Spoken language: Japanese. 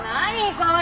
これ！